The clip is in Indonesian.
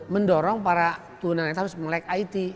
mendorong para tunanetra harus melek it